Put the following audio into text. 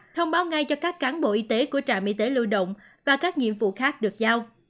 thông báo ngay cho các cán bộ y tế của trạm y tế lưu động và các nhiệm vụ khác được giao